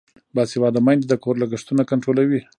باسواده میندې د کور لګښتونه کنټرولوي.